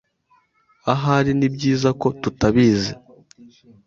Ahari nibyiza ko tutabizi.